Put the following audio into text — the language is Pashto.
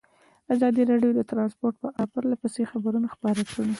ازادي راډیو د ترانسپورټ په اړه پرله پسې خبرونه خپاره کړي.